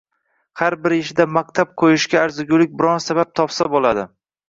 Har bir ishida maqtab qo‘yishga arzigulik biron sabab topsa bo‘ladi